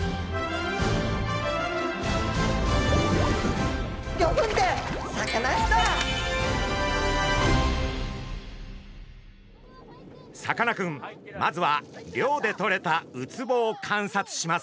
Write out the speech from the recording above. まずは漁でとれたウツボを観察します。